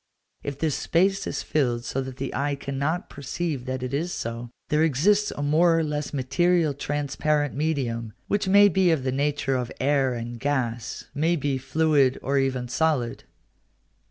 If this space is filled so that the eye cannot perceive that it is so, there exists a more or less material transparent medium, which may be of the nature of air and gas, may be fluid or even solid.